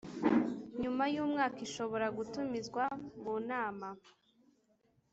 nyuma y umwaka Ishobora gutumizwa munama